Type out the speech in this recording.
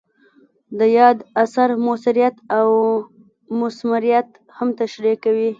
د یاد اثر مؤثریت او مثمریت هم تشریح کوي.